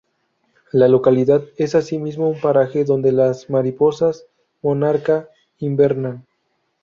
La localidad es asimismo un paraje donde las mariposas monarca invernan.